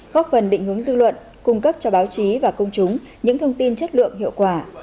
góp phần định hướng dư luận cung cấp cho báo chí và công chúng những thông tin chất lượng hiệu quả